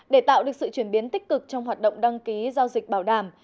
để tạo được sự chuyển biến tích cực trong hoạt động đăng ký giao dịch bảo đảm